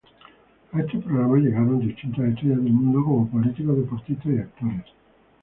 A este programa llegaron distintas estrellas del mundo como políticos, deportistas y actores.